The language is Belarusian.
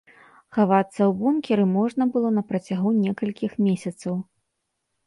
Хавацца ў бункеры можна было на працягу некалькіх месяцаў.